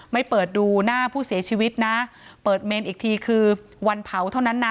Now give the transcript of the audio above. เปิดดูหน้าผู้เสียชีวิตนะเปิดเมนอีกทีคือวันเผาเท่านั้นนะ